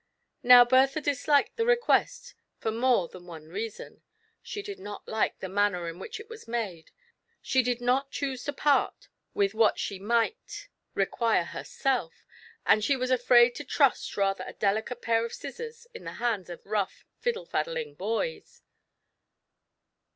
Now Bertha disliked the request for more than one reason. She did not like the manner in which it was made ; she did not choose to part with what she might TRIALS AND TROUBLES. 71 require herself; and she was afraid to trust rather a delicate pair of scissors in the hands of rough, "fiddle faddling boys."